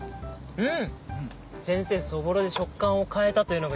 うん！